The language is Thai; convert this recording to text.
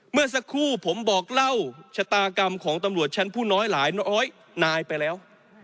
เมื่อสักครู่ผมบอกเล่าชะตากรรมของตำรวจชั้นผู้น้อยหลายร้อยนายไปแล้ว